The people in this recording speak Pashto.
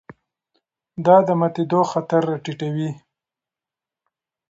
دا د ماتېدو خطر راټیټوي.